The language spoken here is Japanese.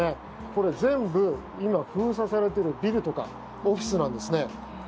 これ全部、今封鎖されているビルとかオフィスなんですね。